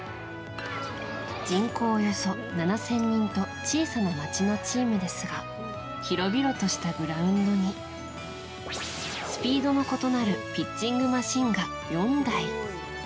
人口およそ７０００人と小さな町のチームですが広々としたグラウンドにスピードの異なるピッチングマシンが４台。